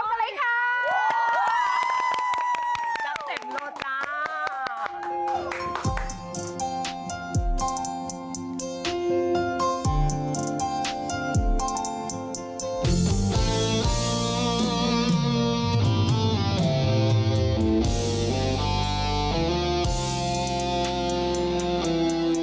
จะเต็มโรจ้า